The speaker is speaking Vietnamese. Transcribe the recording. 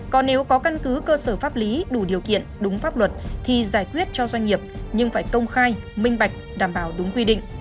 còn nếu có căn cứ cơ sở pháp lý đủ điều kiện đúng pháp luật thì giải quyết cho doanh nghiệp nhưng phải công khai minh bạch đảm bảo đúng quy định